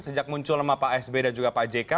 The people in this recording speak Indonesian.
sejak muncul nama pak sby dan juga pak jk